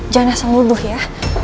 jangan asal luduh ya